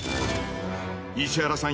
石原さん